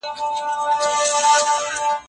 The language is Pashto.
انسان چي هر څومره زده کړه وکړي بیا هم کم دی.